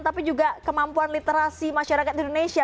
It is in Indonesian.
tapi juga kemampuan literasi masyarakat indonesia